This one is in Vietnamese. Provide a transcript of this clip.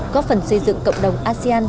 góp phần xây dựng cộng đồng asean